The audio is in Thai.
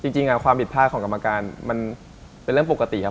จริงความผิดพลาดของกรรมการมันเป็นเรื่องปกติครับ